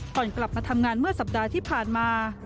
กลับมาทำงานเมื่อสัปดาห์ที่ผ่านมา